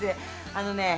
あのね